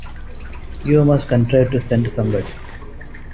You must contrive to send somebody.